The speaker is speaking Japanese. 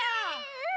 うん！